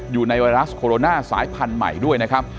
ไวรัสโคโรนาสายพันธุ์ใหม่ด้วยนะครับ